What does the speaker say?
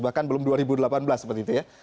bahkan belum dua ribu delapan belas seperti itu ya